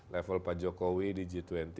level pak jokowi di g dua puluh